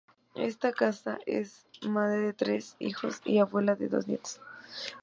Está casada, es madre de tres hijos y abuela de dos nietos.